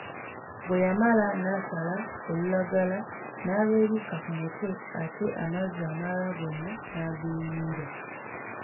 Bwe yamala n'asala olulagala n'alwebikka ku mutwe ate amazzi amalala gonna n'ageeyiira.